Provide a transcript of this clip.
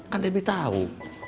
kan debbie tau